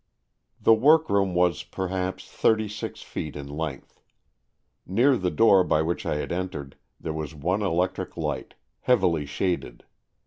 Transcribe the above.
The workroom was, perhaps, thirty six feet in length. Near the door by which I had entered, there was one electric light, heavily shaded.